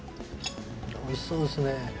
美味しそうですね。